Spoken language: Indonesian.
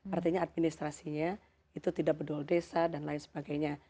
artinya administrasinya itu tidak berdual desa dan lain sebagainya